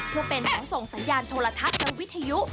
เพื่อเป็นขนส่งสัญญาณโทรทัศน์ทางวิทยุ